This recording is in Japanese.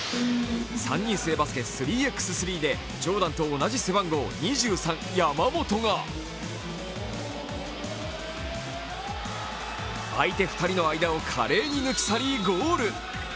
３人制バスケ３ｘ３であのジョーダンと同じ背番号２３・山本が相手２人の間を華麗に抜き去りゴール。